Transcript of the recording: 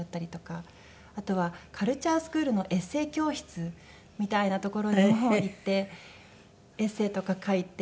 あとはカルチャースクールのエッセー教室みたいな所にも行ってエッセーとか書いて。